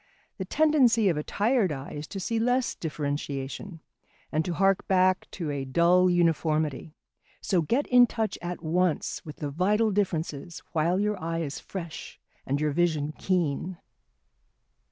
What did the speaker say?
The tendency of a tired eye is to see less differentiation, and to hark back to a dull uniformity; so get in touch at once with the vital differences while your eye is fresh and your vision keen.